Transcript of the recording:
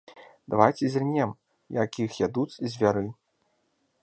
Давайце зірнём, як іх ядуць звяры.